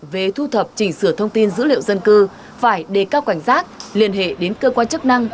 về thu thập chỉnh sửa thông tin dữ liệu dân cư phải để các quảnh giác liên hệ đến cơ quan chức năng